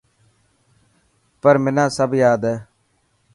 پر منا سب ياد هي.